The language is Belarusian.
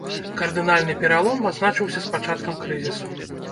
Кардынальны пералом азначыўся з пачаткам крызісу.